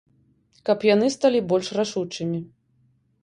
Каб яны сталі больш рашучымі.